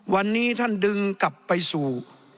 วันนี้ท่านดึงกลับไปสู่